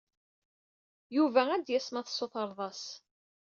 Yuba ad d-yas ma tessutreḍ-as.